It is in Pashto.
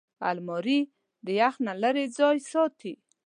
الماري د یخ نه لېرې ځای ساتي